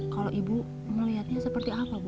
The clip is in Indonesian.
kalau ibu melihatnya seperti apa bu